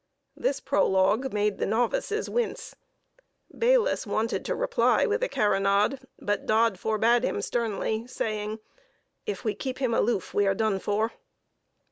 This prologue made the novices wince. Bayliss wanted to reply with a carronade; but Dodd forbade him sternly, saying, "If we keep him aloof we are done for."